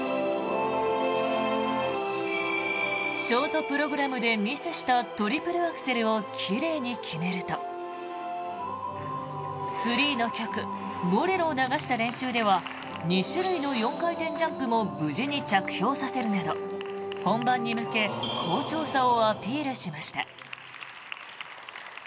ショートプログラムでミスしたトリプルアクセルを奇麗に決めるとフリーの曲「ボレロ」を流した練習では２種類の４回転ジャンプも無事に着氷させるなど本番に向け好調さをアピールしました。